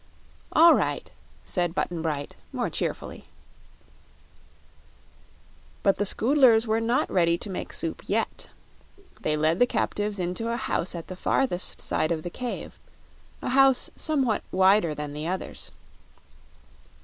"All right," said Button Bright, more cheerfully. But the Scoodlers were not ready to make soup yet. They led the captives into a house at the farthest side of the cave a house somewhat wider than the others.